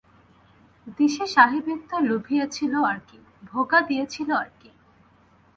দিশি সাহেবিত্ব লুভিয়েছিল আর কি, ভোগা দিয়েছিল আর কি।